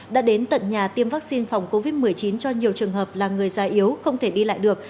đã đến tận nhà tiêm vaccine phòng covid một mươi chín cho nhiều trường hợp là người già yếu không thể đi lại được